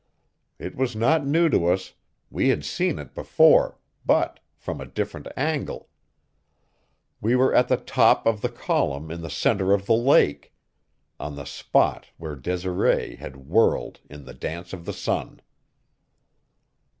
It was not new to us; we had seen it before, but from a different angle. We were on the top of the column in the center of the lake; on the spot where Desiree had whirled in the dance of the sun.